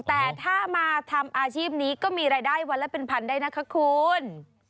แต่ถ้ามาทำอาชีพนี้ก็มีรายได้วันละเป็นพันได้นะคะคุณ